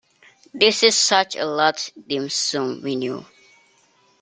This is such a large dim sum menu.